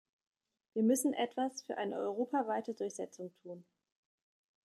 Wir müssen etwas für eine europaweite Durchsetzung tun.